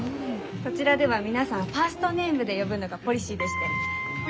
こちらでは皆さんをファーストネームで呼ぶのがポリシーでして。